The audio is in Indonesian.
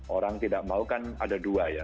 orang tidak mau kan ada dua ya